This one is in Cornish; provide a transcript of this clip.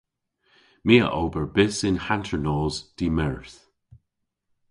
My a ober bys yn hanternos dy'Meurth.